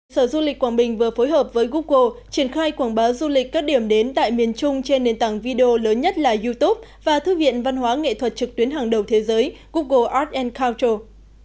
sở du lịch quảng bình vừa phối hợp với google triển khai quảng bá du lịch các điểm đến tại miền trung trên nền tảng video lớn nhất là youtube và thư viện văn hóa nghệ thuật trực tuyến hàng đầu thế giới google arts culture